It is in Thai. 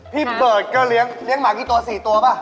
พี่เบิร์ตก็เลี้ยงหมากี่ตัว๔ตัวป่ะ